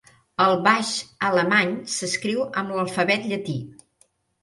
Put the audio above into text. El baix alemany s'escriu amb l'alfabet llatí.